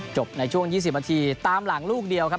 จบในช่วงยี่สิบมันทีตามหลังลูกเดียวครับ